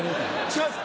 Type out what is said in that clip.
違います